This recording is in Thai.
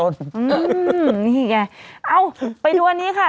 นี่แกเอ้าไปด้วยอันนี้ค่ะ